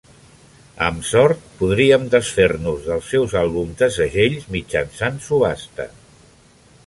Amb sort, podríem desfer-nos dels seus àlbums de segells mitjançant subhasta